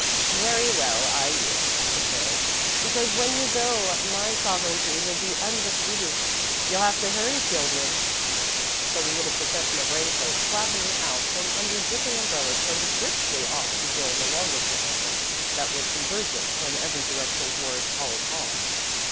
"Very well, I yield," said Mary, "because when you go my sovereignty will be undisputed. You'll have to hurry, children." So the little procession of rain coats flapping out from under dripping umbrellas started briskly off to join the longer procession that was converging from every direction toward College Hall.